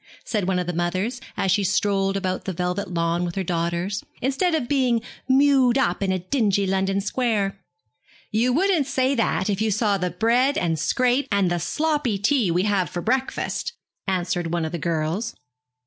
said one of the mothers, as she strolled about the velvet lawn with her daughters, 'instead of being mewed up in a dingy London square.' 'You wouldn't say that if you saw the bread and scrape and the sloppy tea we have for breakfast,' answered one of the girls.